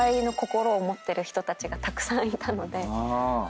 持ってる人たちがたくさんいたので。